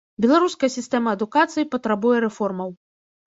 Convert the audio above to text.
Беларуская сістэма адукацыі патрабуе рэформаў.